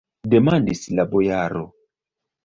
demandis la bojaro.